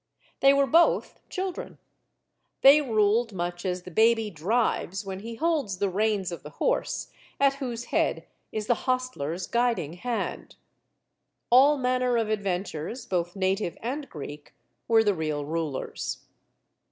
They were both children. They ruled much as the baby "drives" when he holds the reins of the horse at whose head is the CLEOPATRA 137 hostler's guiding hand. All manner of adventurers both native and Greek were the real rulers.